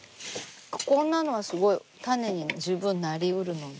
こんなのはすごい種に十分なりうるので。